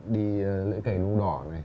đi lưỡi cầy lung đỏ này